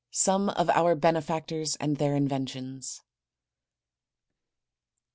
SOME OF OUR BENEFACTORS AND THEIR INVENTIONS.